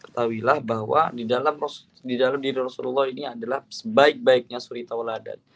ketahuilah bahwa di dalam diri rasulullah ini adalah sebaik baiknya suri tauladan